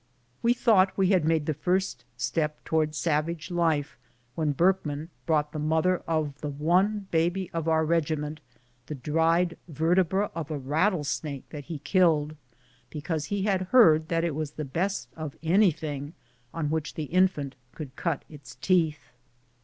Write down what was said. We thought we had made the first step towards sav age life when Burkman brought the mother of the one baby of our regiment the dried vertebra of a rattle snake that he killed, because he had heard that it was the best of anything on which the infant could cut its teeth